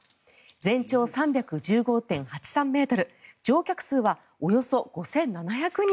全長３１５．８３ｍ乗客数はおよそ５７００人。